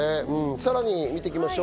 さらに見ていきましょう。